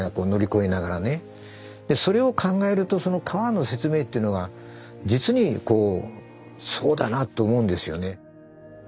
それを考えると川の説明っていうのは実にこうそうだなと思うんですよね。